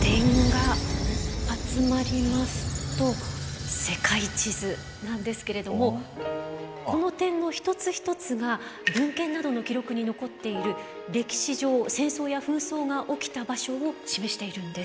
点が集まりますと世界地図なんですけれどもこの点の一つ一つが文献などの記録に残っている歴史上戦争や紛争が起きた場所を示しているんです。